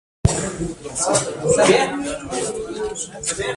هغه د ښاغلي شواب ښي اړخ ته ناست و